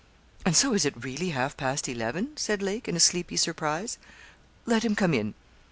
'And so it is really half past eleven?' said Lake, in a sleepy surprise. 'Let him come in.'